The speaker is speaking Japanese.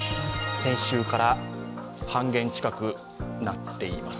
先週から半減近くなっています。